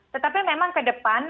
tetapi memang ke depan